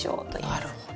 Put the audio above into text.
なるほど。